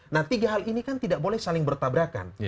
nah tiga hal ini kan tidak boleh saling bertabrakan